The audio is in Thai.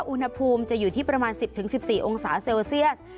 อุณหภูมิจะอยู่ที่ประมาณ๑๐๑๔องศาเซลเซียส